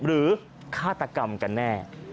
หรือฆาตกรรมกันแน่